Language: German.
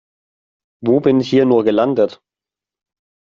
Wo bin ich hier nur gelandet?